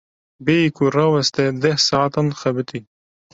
Bêyî ku raweste deh saetan xebitî.